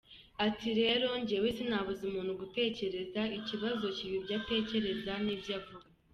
Ati rero jywewe sinabuza umuntu gutekereza, ikibazo kiba ibyo atekereza ni byo avuga.